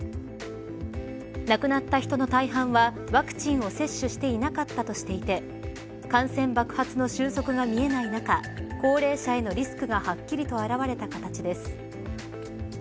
亡くなった人の大半はワクチンを接種していなかったとしていて感染爆発の収束が見えない中高齢者へのリスクがはっきりと表れた形です。